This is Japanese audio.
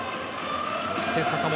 そして坂本